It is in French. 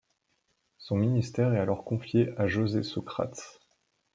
Son ministère est alors confié à José Sócrates.